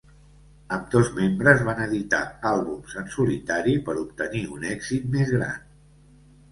Ambdós membres van editar àlbums en solitari per obtenir un èxit més gran.